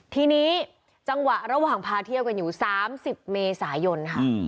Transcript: ทีนี้จังหวะระหว่างพาเที่ยวกันอยู่๓๐เมษายนค่ะ